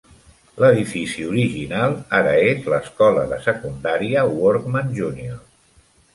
L'edifici original ara és l'Escola de Secundaria Workman Junior.